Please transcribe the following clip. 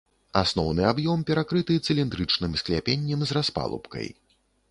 Асноўны аб'ём перакрыты цыліндрычным скляпеннем з распалубкай.